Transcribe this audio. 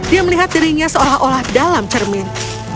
dia melihat dirinya seolah olah dalam cermin